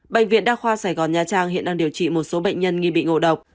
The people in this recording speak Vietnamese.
bệnh viện đa khoa sài gòn nha trang hiện đang điều trị một số bệnh nhân nghi bị ngộ độc